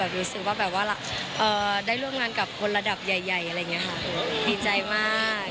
แล้วก็รู้สึกว่าได้เริ่มงานกับคนระดับใหญ่อะไรอย่างนี้ค่ะดีใจมาก